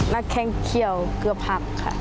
นักแข่งเขี่ยวเกลือพักค่ะ